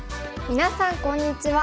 みなさんこんにちは。